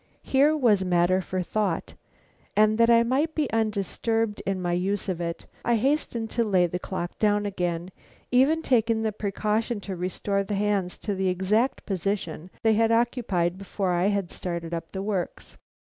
Here was matter for thought, and that I might be undisturbed in my use of it, I hastened to lay the clock down again, even taking the precaution to restore the hands to the exact position they had occupied before I had started up the works.